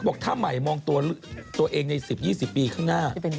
ก็บอกถ้าใหม่มองตัวเองในสิบยี่สิบปีข้างหน้า